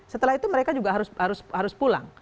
setelah itu mereka juga harus pulang